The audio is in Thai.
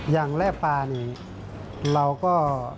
อย่างแร่ปลานี่เราก็